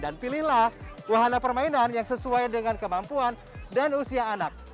dan pilihlah wahana permainan yang sesuai dengan kemampuan dan usia anak